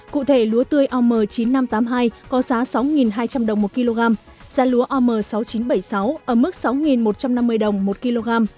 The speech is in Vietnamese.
cụ thể lúa tươi om chín nghìn năm trăm tám mươi hai có giá sáu hai trăm linh đồng một kg giá lúa om sáu nghìn chín trăm bảy mươi sáu ở mức sáu một trăm năm mươi đồng một kg